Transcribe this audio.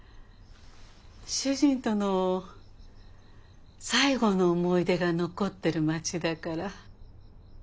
主人との最後の思い出が残ってる町だから。